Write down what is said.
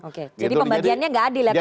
oke jadi pembagiannya gak adil ya kuenya ya